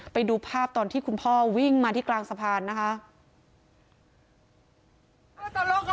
ไปดูภาพตอนที่คุณพ่อวิ่งมาที่กลางสะพานนะคะ